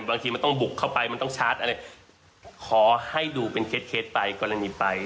บางทีมันต้องบุกเข้าไปมันต้องชาร์จอะไรขอให้ดูเป็นเคล็ดไปกรณีไป